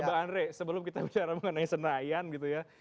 mbak andre sebelum kita bicara mengenai senayan gitu ya